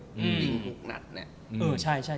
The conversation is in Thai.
ยิงทุกหนัดเนี่ย